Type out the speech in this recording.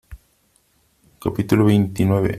capítulo veintinueve .